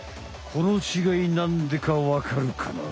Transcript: この違いなんでかわかるかな？